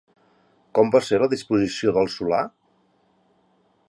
Com va a ser la disposició del solar?